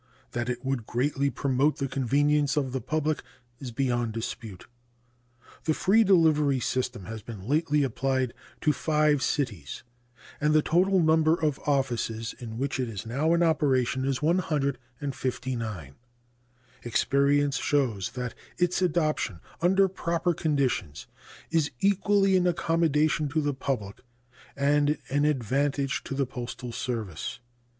That it would greatly promote the convenience of the public is beyond dispute. The free delivery system has been lately applied to five cities, and the total number of offices in which it is now in operation is 159. Experience shows that its adoption, under proper conditions, is equally an accommodation to the public and an advantage to the postal service.